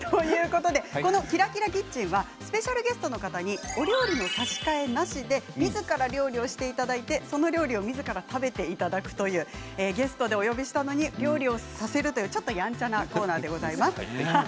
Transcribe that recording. この「ＫｉｒａＫｉｒａキッチン」はスペシャルゲストの方にお料理の差し替えなしでみずから料理をしていただきその料理をみずから食べていただくという、ゲストでお呼びしたのに料理をさせるというちょっとやんちゃなコーナーでございます。